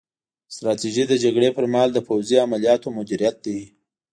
ستراتیژي د جګړې پر مهال د پوځي عملیاتو مدیریت دی